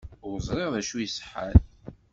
Ur ẓriɣ d acu iṣeḥḥan.